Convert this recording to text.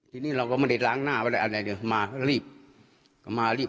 ทีนี้เราก็มาเด็ดล้างหน้าอะไรอะไรมารีบมารีบ